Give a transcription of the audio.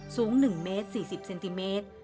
สูง๑เมตร๔๐เซนติเมตร